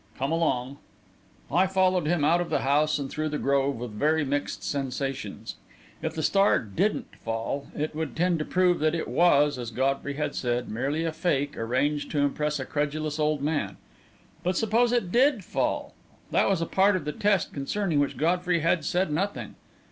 "Come along." I followed him out of the house and through the grove with very mixed sensations. If the star didn't fall, it would tend to prove that it was, as Godfrey had said, merely a fake arranged to impress a credulous old man; but suppose it did fall! That was a part of the test concerning which Godfrey had said nothing.